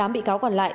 tám bị cáo còn lại